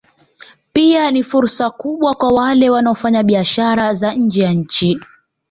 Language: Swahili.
Pia ni fursa kubwa kwa wale wanaofanya biashara za nje ya nchi